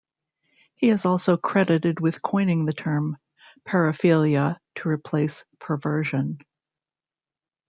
He is also credited with coining the term "paraphilia" to replace "perversion".